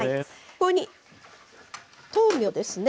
ここに豆苗ですね。